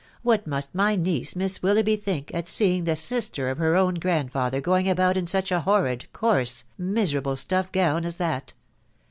. What must my niece, Miss Wil loughby, think, at seeing the sister of her own grandfather going about in such a horrid, coarse, miserable stuff gown as that